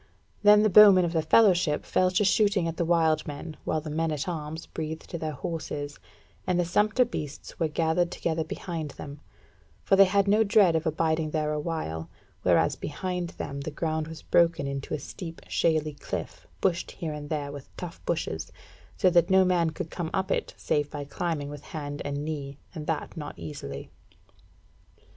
Then the bowmen of the fellowship fell to shooting at the wild men, while the men at arms breathed their horses, and the sumpter beasts were gathered together behind them; for they had no dread of abiding there a while, whereas behind them the ground was broken into a steep shaly cliff, bushed here and there with tough bushes, so that no man could come up it save by climbing with hand and knee, and that not easily.